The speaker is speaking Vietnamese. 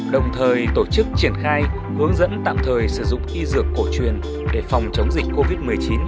đồng thời tổ chức triển khai hướng dẫn tạm thời sử dụng y dược cổ truyền để phòng chống dịch covid một mươi chín